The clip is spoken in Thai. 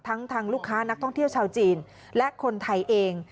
ทั้งทางลูกค้านักท่องเที่ยวชาวจีนและคนไทยเอง